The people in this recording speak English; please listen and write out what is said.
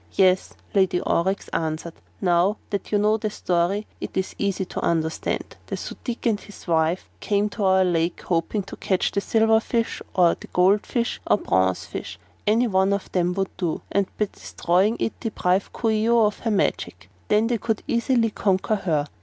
"Yes," Lady Aurex answered, "now that you know the story it is easy to understand. The Su dic and his wife came to our lake hoping to catch the silver fish, or gold fish, or bronze fish any one of them would do and by destroying it deprive Coo ee oh of her magic. Then they could easily conquer her.